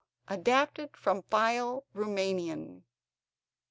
[ Adapted from file Roumanian.